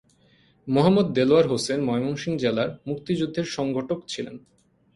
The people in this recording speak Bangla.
মোহাম্মদ দেলোয়ার হোসেন ময়মনসিংহ জেলার মুক্তিযুদ্ধের সংগঠক ছিলেন।